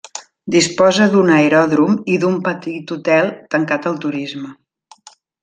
Disposa d'un aeròdrom i d'un petit hotel tancat al turisme.